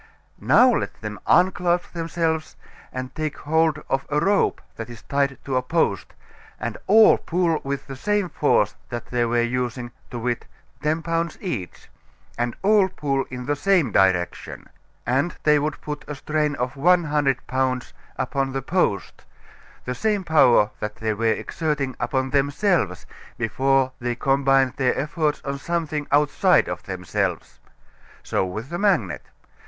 Now let them unclasp themselves and take hold of a rope that is tied to a post, and all pull with the same force that they were using, to wit, ten pounds each, and all pull in the same direction, and they would put a strain of one hundred pounds upon the post, the same power that they were exerting upon themselves before they combined their efforts on something outside of themselves. So with the magnet.